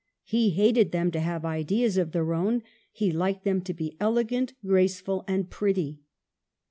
He hated them to have ideas of their own ; he liked them \ to be elegant, graceful and pretty.